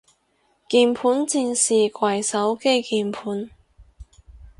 鍵盤戰士跪手機鍵盤